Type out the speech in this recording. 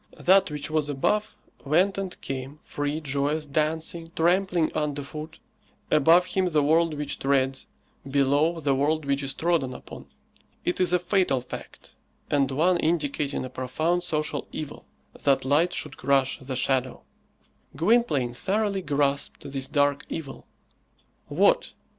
That which was above went and came, free, joyous, dancing, trampling under foot; above him the world which treads, below the world which is trodden upon. It is a fatal fact, and one indicating a profound social evil, that light should crush the shadow! Gwynplaine thoroughly grasped this dark evil. What!